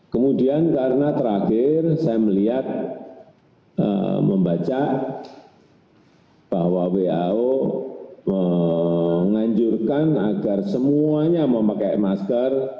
kemudian karena terakhir saya melihat membaca bahwa wao menganjurkan agar semuanya memakai masker